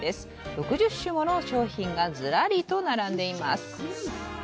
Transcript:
６０種もの商品がズラリと並んでいます。